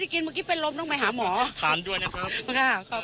ได้กินเมื่อกี้ไปล้มต้องไปหาหมอกันด้วยนะครับ